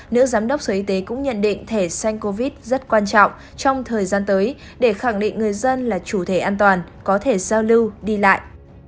nữ giám đốc sở y tế cũng nhận định thẻ xanh covid rất quan trọng trong thời gian tới để khẳng định người dân là chủ thể an toàn có thể giao lưu đi lại